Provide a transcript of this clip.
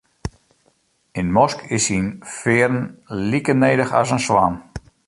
In mosk is syn fearen like nedich as in swan.